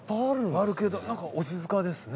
あるけどなんかお静かですね。